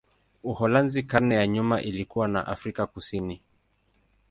Uholanzi karne za nyuma ilikuwa na Afrika Kusini.